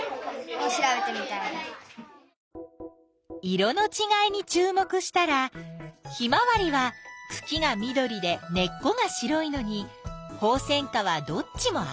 色のちがいにちゅう目したらヒマワリはくきが緑で根っこが白いのにホウセンカはどっちも赤い。